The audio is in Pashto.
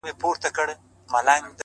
خبره داسې ده چې دا خلک له زړه خراب دي